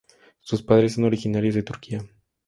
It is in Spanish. Sus padres son originarios de Turquía.